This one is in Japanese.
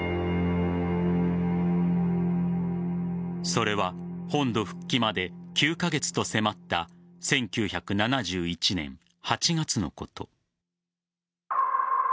それは本土復帰まで９カ月と迫った１９７１年８月のこと。